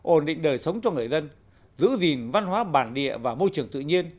ổn định đời sống cho người dân giữ gìn văn hóa bản địa và môi trường tự nhiên